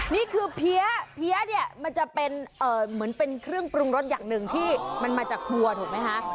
นี่คือเพี้ยเนี่ยมันจะเป็นเหมือนเป็นเครื่องปรุงรสอย่างหนึ่งที่มันมาจากครัวถูกไหมคะ